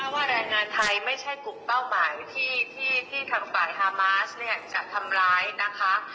ว่าแรงงานไทยไม่ใช่กลุ่มเป้าหมายที่ทางฝ่ายฮามาสเนี่ยจะทำร้ายนะคะ